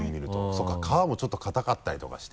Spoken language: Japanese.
そうか皮もちょっと硬かったりとかして。